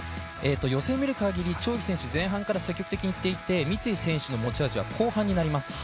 予選を見るかぎり、張選手、前半からいっていて三井選手の持ち味は後半になります。